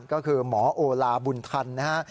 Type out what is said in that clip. ก็คือหมอโอลาบุญธรรมนะฮะ